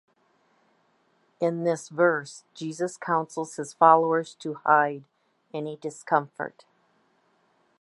In this verse Jesus councils his followers to hide any discomfort.